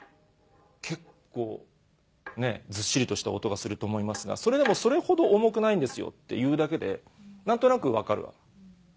結構ずっしりとした音がすると思いますがそれでもそれほど重くないんですよって言うだけで何となく分かる。